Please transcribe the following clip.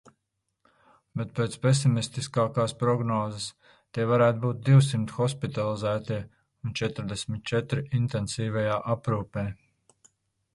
Bet pēc pesimistiskākās prognozes tie varētu būt divsimt hospitalizētie un četrdesmit četri intensīvajā aprūpē.